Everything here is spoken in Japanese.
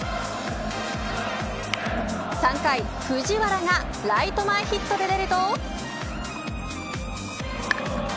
３回、藤原がライト前ヒットで出ると。